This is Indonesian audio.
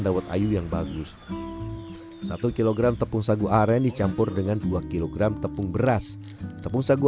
dawet ayu yang bagus satu kg tepung sagu aren dicampur dengan dua kg tepung beras tepung sagu